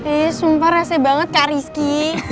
ih sumpah rese banget kak rizky